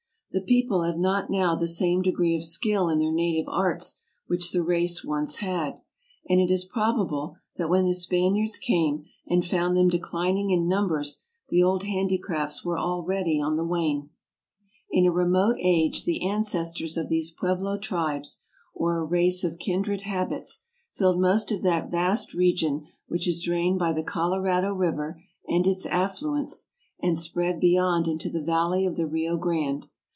The people have not now the same degree of skill in their native arts which the race once had, and it is probable that when the Spaniards came and found them declining in numbers the old handicrafts were already on the wane. In a remote age the ancestors of these Pueblo tribes, or a race of kindred habits, filled most of that vast region which is drained by the Colorado River and its affluents, and spread beyond into the valley of the Rio Grande.